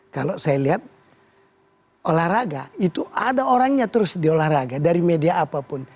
kalau saya lihat olahraga itu ada orangnya terus di olahraga dari media apapun